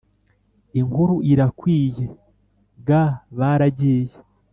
inkuru irakwiye ga baragiye